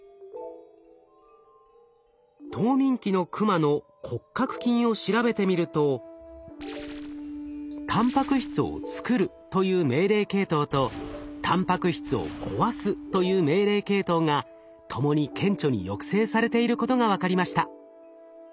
冬眠期のクマの骨格筋を調べてみるとたんぱく質をつくるという命令系統とたんぱく質を壊すという命令系統がともに顕著に抑制されていることが分かりました。